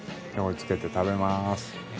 つけて食べます。